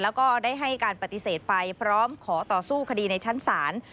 แล้วก็ได้ให้การปฏิเสธไปพร้อมขอต่อสู้คดีในชั้นศาล